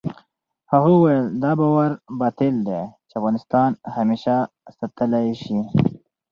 هغه وویل، دا باور باطل دی چې افغانستان همېشه ساتلای شي.